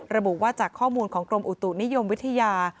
ระบุว่าจากข้อมูลของกรมอุตุนิยมวิทยา